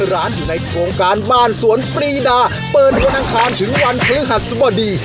ร้านอยู่ในโครงการบ้านสวนปรีดาเปิดวันอังคารถึงวันพฤหัสบดี